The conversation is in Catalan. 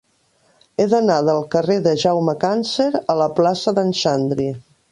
He d'anar del carrer de Jaume Càncer a la plaça d'en Xandri.